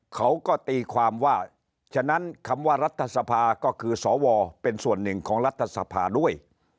เขาก็ตีความว่าฉะนั้นคำว่ารัฐสภาก็คือสวเป็นส่วนหนึ่งของรัฐสภาด้วย